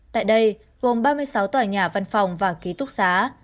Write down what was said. tại đây gồm ba mươi sáu tòa nhà văn phòng và ký túc xá